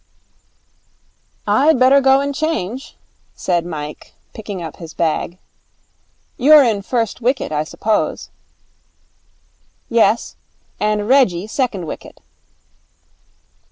'I'd better go and change,' said Mike, picking up his bag. 'You're in first wicket, I suppose?' 'Yes. And Reggie, second wicket.'